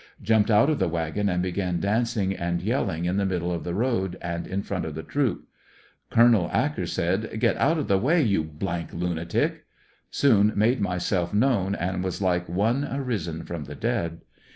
Jumped out of the wagon and began dancing and yelling in the middle of the road and in front of the troop. Col. Acker said :'* Get out of the road you lunatic !" Soon made myself known and was like one arisen from the dead.